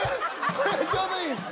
これがちょうどいいんすよ